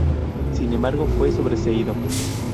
Sin embargo fue sobreseído.